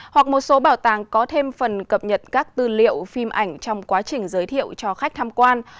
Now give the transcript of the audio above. hoặc một số bảo tàng có thêm phần cập nhật các tư liệu phim ảnh trong quá trình giới thiệu cho khách tham quan